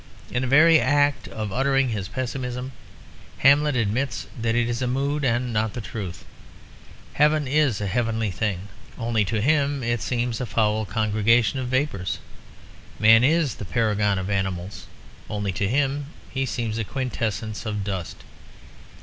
In the very act of uttering his pessimism, Hamlet admits that it is a mood and not the truth. Heaven is a heavenly thing, only to him it seems a foul congregation of vapours. Man is the paragon of animals, only to him he seems a quintessence of dust.